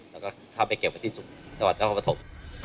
แล้วก็เข้าไปเก็บไปที่สุขจังหวัดเจ้าข้าวประถม